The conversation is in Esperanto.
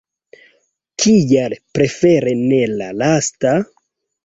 Kial prefere ne la lasta?